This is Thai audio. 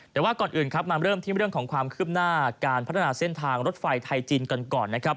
แต่ว่าก่อนอื่นครับมาเริ่มที่เรื่องของความคืบหน้าการพัฒนาเส้นทางรถไฟไทยจีนกันก่อนนะครับ